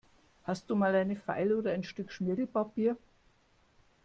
Hast du mal eine Feile oder ein Stück Schmirgelpapier?